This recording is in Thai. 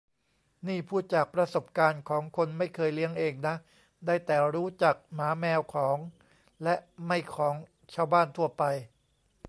นี่พูดจากประสบการณ์ของคนไม่เคยเลี้ยงเองนะ ได้แต่รู้จักหมาแมวของและไม่ของชาวบ้านทั่วไป